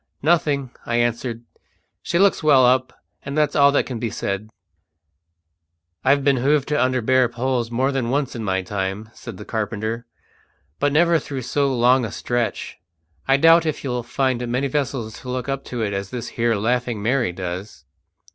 "Nothing," I answered. "She looks well up, and that's all that can be said." "I've been hove to under bare poles more than once in my time," said the carpenter, "but never through so long a stretch. I doubt if you'll find many vessels to look up to it as this here Laughing Mary does."